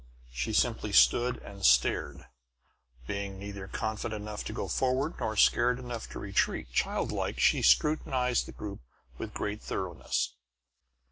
She simply stood and stared, being neither confident enough to go forward nor scared enough to retreat. Childlike, she scrutinized the group with great thoroughness.